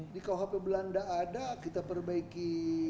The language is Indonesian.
di kuhp belanda ada kita perbaiki